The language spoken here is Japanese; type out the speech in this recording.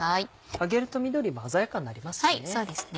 揚げると緑も鮮やかになりますしね。